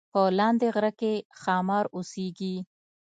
په لاندې غره کې ښامار اوسیږي